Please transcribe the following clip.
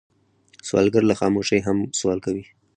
سوالګر له خاموشۍ هم سوال کوي